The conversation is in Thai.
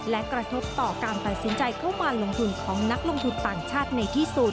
และกระทบต่อการตัดสินใจเข้ามาลงทุนของนักลงทุนต่างชาติในที่สุด